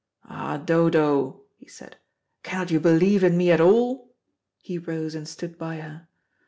"Ah, Dodo," he said, "cannot you believe in me at all?" He rose and stood by her.